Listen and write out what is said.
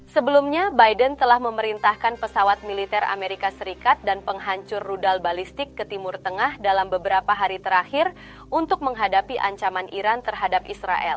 sebelumnya biden telah memerintahkan pesawat militer amerika serikat dan penghancur rudal balistik ke timur tengah dalam beberapa hari terakhir untuk menghadapi ancaman iran terhadap israel